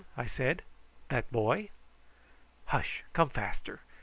I said; "that boy?" "Hush! come faster."